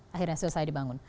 akhirnya selesai dibangun